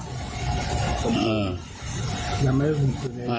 เดี๋ยวไม่ได้คุยเลย